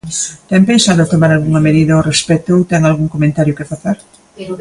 ¿Ten pensado tomar algunha medida ao respecto ou ten algún comentario que facer?